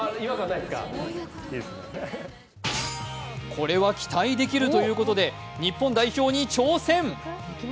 これは期待できるということで日本代表に挑戦。